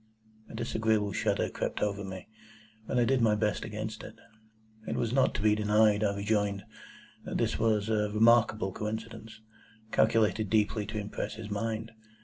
A disagreeable shudder crept over me, but I did my best against it. It was not to be denied, I rejoined, that this was a remarkable coincidence, calculated deeply to impress his mind.